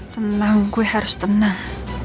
tenang gue harus tenang